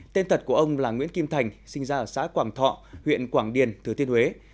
tên thật của ông là nguyễn kim thành sinh ra ở xã quảng thọ huyện quảng điền thứ thiên huế